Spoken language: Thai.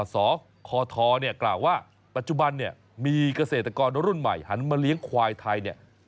สคทกล่าวว่าปัจจุบันเนี่ยมีเกษตรกรรุ่นใหม่หันมาเลี้ยงควายไทยเนี่ย